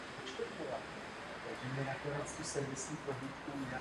Zde v laboratořích Massachusetts General Hospital ještě prováděl výzkumy v oblasti genetiky.